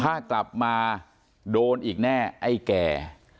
ถ้ากลับมาโดนอีกแน่ไอ้แก่